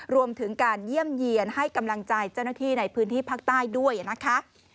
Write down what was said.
รวมถึงการเยี่ยมเยี่ยนให้กำลังใจเจ้าหน้าที่ในพื้นที่ภาคใต้ด้วยนะคะ